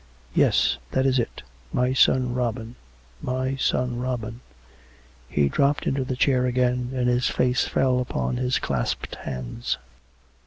... Yes; that is it — my son Robin — my son Robin !" He dropped into the chair again, and his face fell upon his clasped hands.